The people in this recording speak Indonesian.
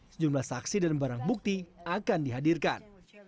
sejumlah saksi dan barang bukti akan dihadirkan